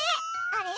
あれ？